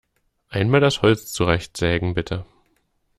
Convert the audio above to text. Einmal das Holz zurechtsägen, bitte!